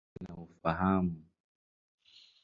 Awe na ufahamu.